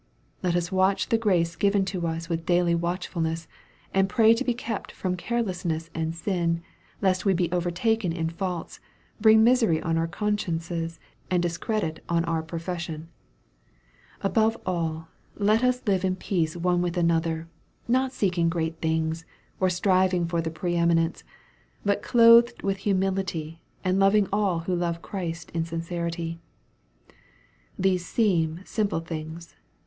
Let us watch the grace given to us with daily watchfulness, and pray to be kept from carelessness and sin, lest we be overtaken in faults, bring misery on our consciences, and discredit on our profession. Above all let us live in peace one with another, not seeking great things, or striving for the pre eminence, but clothed with humility, and loving all who love Christ in sincerity. These seem simple things.